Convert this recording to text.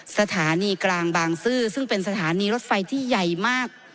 สถานีกลางบางซื่อซึ่งเป็นสถานีรถไฟที่ใหญ่มาก